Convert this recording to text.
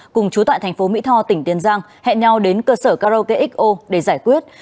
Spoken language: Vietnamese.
cùng chú tại tp mỹ tho tỉnh tiền giang hẹn nhau đến cơ sở carrow kxo để giải quyết